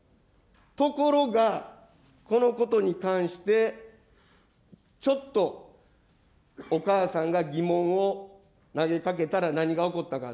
ところが、このことに関してちょっと、お母さんが疑問を投げかけたら何が起こったか。